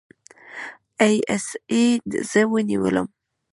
اى ايس اى زه ونیولم.